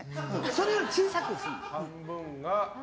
それより小さくするのよ。